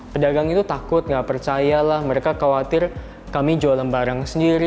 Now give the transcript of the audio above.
pedagang itu takut nggak percaya lah mereka khawatir kami jualan barang sendiri